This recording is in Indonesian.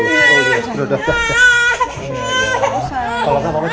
udah udah udah